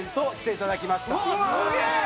すげえ！